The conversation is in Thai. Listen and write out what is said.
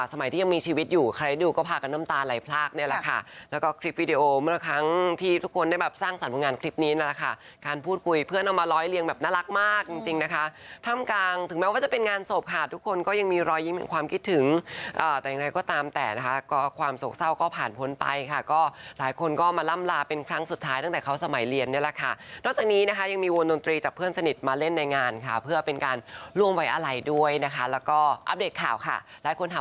สมัยที่ยังมีชีวิตอยู่ใครดูก็พากับน้ำตาลายพลากเนี่ยแหละค่ะแล้วก็คลิปวิดีโอเมื่อครั้งที่ทุกคนได้สร้างสรรพงานคลิปนี้นั่นแหละค่ะการพูดคุยเพื่อนเอามาลอยเลี้ยงแบบน่ารักมากจริงนะคะท่ามกลางถึงแม้ว่าจะเป็นงานศพค่ะทุกคนก็ยังมีรอยยิ่งเป็นความคิดถึงแต่อย่างไรก็ตามแต่นะคะความโศกเศร